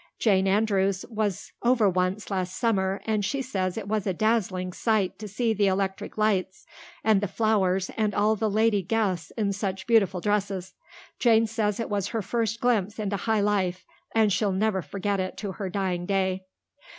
Jane Andrews was over once last summer and she says it was a dazzling sight to see the electric lights and the flowers and all the lady guests in such beautiful dresses. Jane says it was her first glimpse into high life and she'll never forget it to her dying day."